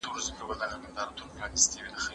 دا داستان د سولې او مینې پیغام رسوي.